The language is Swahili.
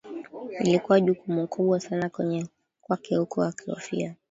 Ilikuwa jukumu kubwa sana kwake huku akihofia